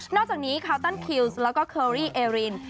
อกจากนี้คาวตันคิวส์แล้วก็เคอรี่เอริน